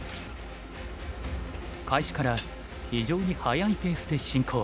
開始から非常に速いペースで進行。